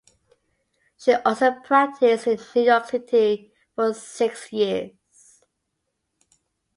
She also practiced in New York City for six years.